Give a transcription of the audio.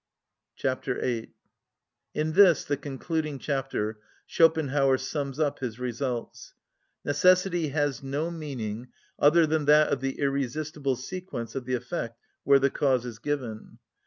Chapter VIII. In this, the concluding chapter, Schopenhauer sums up his results. Necessity has no meaning other than that of the irresistible sequence of the effect where the cause is given.